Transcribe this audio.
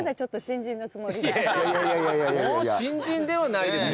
もう新人ではないでしょう